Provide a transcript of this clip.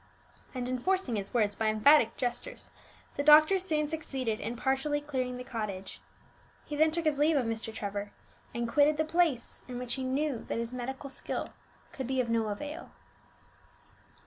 And enforcing his words by emphatic gestures, the doctor soon succeeded in partially clearing the cottage. He then took his leave of Mr. Trevor, and quitted the place in which he knew that his medical skill could be of no avail.